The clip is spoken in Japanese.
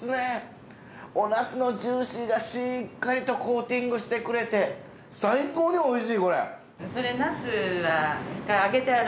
おナスのジューシーがしっかりとコーティングしてくれて最高に美味しいこれ。